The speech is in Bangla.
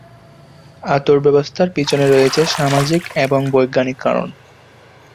আঁতুড় ব্যবস্থার পিছনে রয়েছে সামাজিক এবং বৈজ্ঞানিক কারণ।